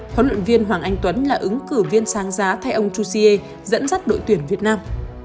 huấn luyện viên hoàng anh tuấn là ứng cử viên sang giá thay ông chu siê dẫn dắt đội tuyển việt nam